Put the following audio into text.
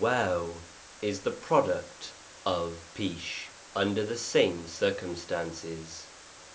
5 is the product of Pesh () under the same circumstances.